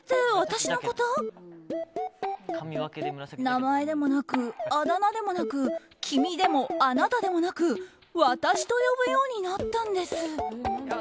名前でもなく、あだ名でもなく君でもあなたでもなく私と呼ぶようになったんです。